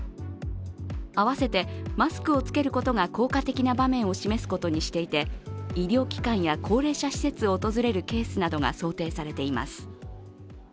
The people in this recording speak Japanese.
併せて、マスクを着けることが効果的な場面を示すことにしていて、医療機関や高齢者施設を訪れるケースなどが想定されています。